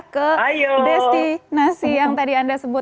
ke destinasi yang tadi anda sebut